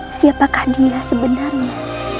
hai siapakah dia sebenarnya